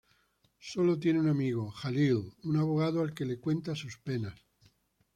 Sólo tiene un amigo: Jalil, un abogado al que le cuenta sus penas.